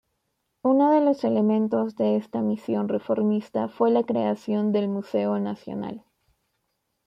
Uno de los elementos de esta misión reformista fue la creación del museo nacional.